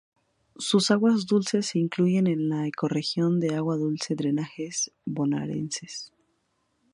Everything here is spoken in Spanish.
Sus aguas dulces se incluyen en la ecorregión de agua dulce drenajes bonaerenses.